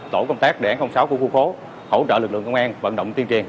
tổ công tác để sáu khu khu khố hỗ trợ lực lượng công an vận động tiên triền